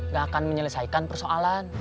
gak akan menyelesaikan persoalan